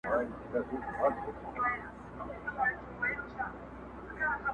جهاني به وي د شپو له کیسو تللی.!